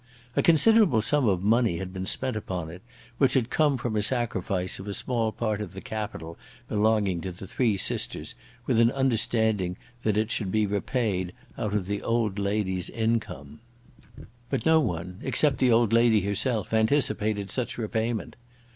A considerable sum of money had been spent upon it, which had come from a sacrifice of a small part of the capital belonging to the three sisters, with an understanding that it should be repaid out of the old lady's income. But no one, except the old lady herself, anticipated such repayment.